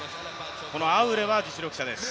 このアウレは実力者です。